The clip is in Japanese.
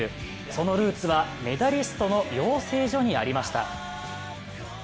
そのルーツはメダリストの養成所にありました。